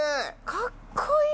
かっこいい！